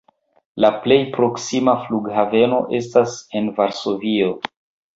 La plej proksima flughaveno estas en Varsovio.